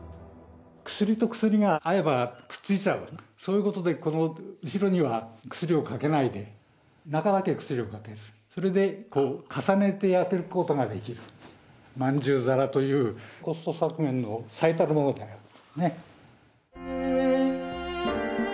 薬と薬が合えばくっついちゃうそういうことでこの後ろには薬をかけないで中だけ薬をかけるそれで重ねて焼けることができる饅頭皿というコスト削減の最たる物でねね